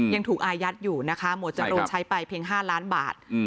ยังถูกอายัดอยู่นะคะหมวดจรูนใช้ไปเพียง๕ล้านบาท